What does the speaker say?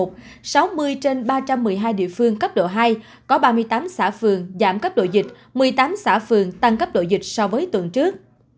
sáu mươi trên ba trăm một mươi hai địa phương cấp độ hai có ba mươi tám xã phường giảm cấp độ dịch một mươi tám xã phường tăng cấp độ dịch so với tuần trước